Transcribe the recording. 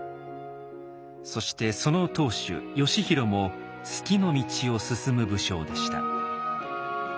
そしてその当主義弘も数寄の道を進む武将でした。